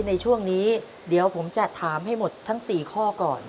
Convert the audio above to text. ในช่วงนี้เดี๋ยวผมจะถามให้หมดทั้ง๔ข้อก่อน